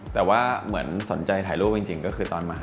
แต่ว่าเหมือนสนใจถ่ายรูปจริงก็คือตอนมา